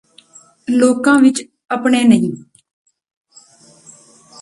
ਲੋਕਾਂ ਵਿੱਚ ਅਪਣੇ ਨਹੀਂ